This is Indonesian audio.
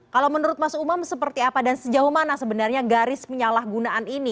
kalau menurut mas umam seperti apa dan sejauh mana sebenarnya garis penyalahgunaan ini